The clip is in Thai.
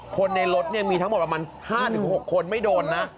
คนในรถมีทั้งหมดประมาณ๕๖คนไม่โดนนะ